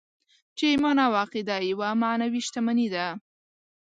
چې ايمان او عقیده يوه معنوي شتمني ده.